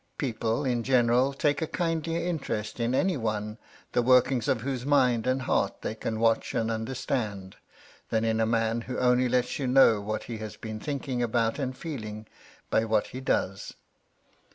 People, in general, take a kindher interest in any one, the workings of whose mind and heart thej can watch and understand, than in a ^Q^ ^^^ ^^7 'etsjaj^^f what he has MY LADY LUDLOW. 319 been thinking about and feeling, by what he does.